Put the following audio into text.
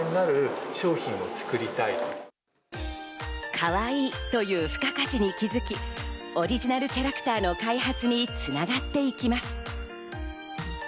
カワイイという付加価値に気づき、オリジナルキャラクターの開発に繋がっていきます。